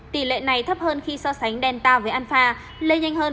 tỷ lệ này thấp hơn khi so sánh delta với alpha lên nhanh hơn bốn mươi sáu mươi